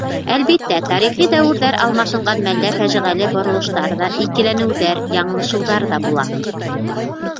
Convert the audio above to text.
Әлбиттә, тарихи дәүерҙәр алмашынған мәлдә фажиғәле боролоштар ҙа, икеләнеүҙәр, яңылышыуҙар ҙа була.